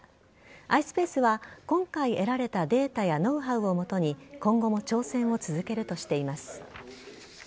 ｉｓｐａｃｅは今回得られたデータやノウハウをもとに今後も挑戦を続けるとしています。